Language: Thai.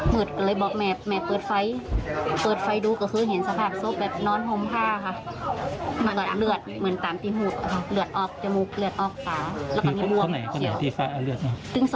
ตึง๒คนเลยค่ะ